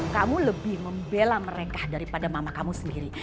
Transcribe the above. kamu lebih membela mereka daripada mama kamu sendiri